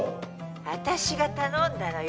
私が頼んだのよ